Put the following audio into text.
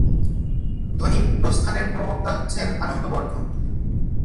ধ্বনিপ্রস্থানের প্রবক্তা হচ্ছেন আনন্দবর্ধন।